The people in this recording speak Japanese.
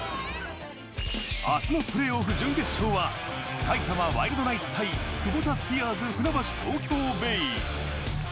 明日のプレーオフ準決勝は埼玉ワイルドナイツ対クボタスピアーズ船橋・東京ベイ。